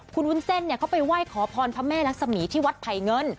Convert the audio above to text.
คุณวุ้นเส้นเขาไปไหว้ขอพรพระแม่รักษมีที่วัดไผ่เงิน